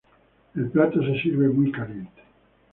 El plato se sirve muy caliente.